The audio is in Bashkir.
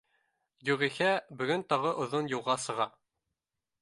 Юғиһә, бөгөн тағы оҙон юлға сыға